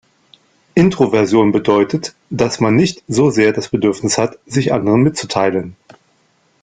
Introversion bedeutet, dass man nicht so sehr das Bedürfnis hat, sich anderen mitzuteilen.